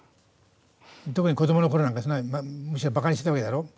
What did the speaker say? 特に、子どものころなんかむしろバカにしてたわけだろう。